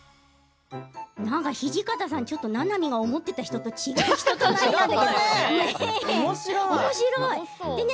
なんか土方さんちょっとななみが思っていた人とおもしろい。